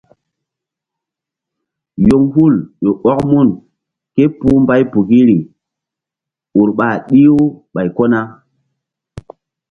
Yoŋhul ƴo ɔk mun ké puhbaypukiri ur ɓa ɗih-u ɓay ko na.